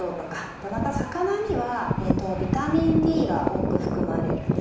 でまた魚にはビタミンＤが多く含まれるんですね。